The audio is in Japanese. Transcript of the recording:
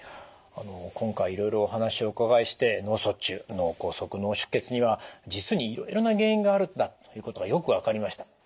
今回いろいろお話をお伺いして脳卒中脳梗塞脳出血には実にいろいろな原因があるんだということがよく分かりました。